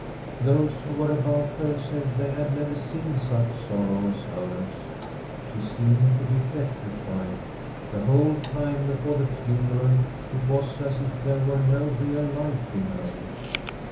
Those who were about her said they had never seen such sorrow as hers. She seemed to be petri fied. The whole time before the funeral it was as if there were no real life in her.